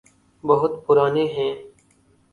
بہت پرانے ہیں۔